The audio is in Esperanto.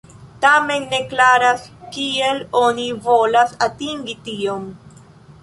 Tamen ne klaras, kiel oni volas atingi tion.